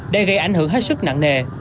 đây gây ảnh hưởng hết sức nặng nề